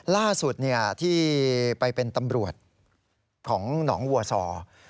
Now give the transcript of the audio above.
ล่าสุดที่ไปเป็นตำรวจของหนองวัวซอ